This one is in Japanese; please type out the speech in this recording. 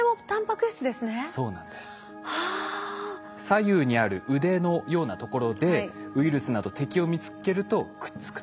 左右にある腕のようなところでウイルスなど敵を見つけるとくっつくと。